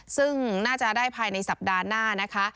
ซึ่งน่าจะได้ภายในสัปดาห์หน้านะคะ